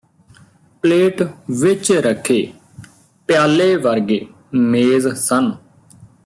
plate ਵਿਚ ਰੱਖੇ ਪਿਆਲੇ ਵਰਗੇ ਮੇਜ਼ ਸਨ